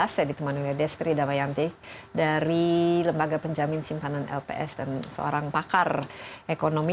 saya ditemani oleh destri damayanti dari lembaga penjamin simpanan lps dan seorang pakar ekonomi